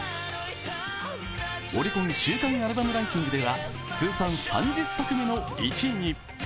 オリコン週間アルバムランキングでは通算３０作目の１位に。